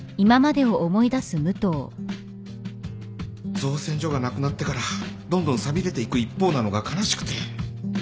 造船所がなくなってからどんどん寂れていく一方なのが悲しくて